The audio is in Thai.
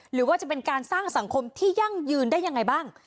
หรือว่าจะเป็นการสร้างสังคมที่ยั่งยืนได้ยังไงบ้าง